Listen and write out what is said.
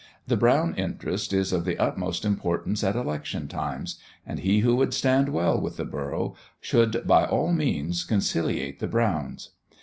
The Brown interest is of the utmost importance at election times, and he who would stand well with the borough should, by all means, conciliate the Browns.